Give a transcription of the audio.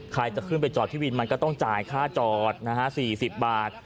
ใครจะขึ้นไปจอดที่วินมันก็ต้องจ่ายค่าจอดนะฮะ๔๐บาท